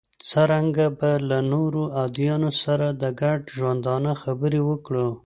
څرنګه به له نورو ادیانو سره د ګډ ژوندانه خبرې وکړو.